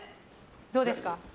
どうですか？